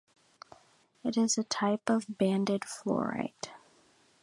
It is a type of banded fluorite.